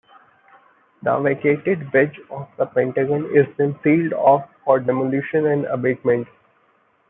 The vacated "wedge" of the Pentagon is then sealed off for demolition and abatement.